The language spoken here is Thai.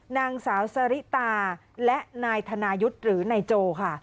นางสาวสริตาและนายธนายุทธ์หรือนายโจค่ะ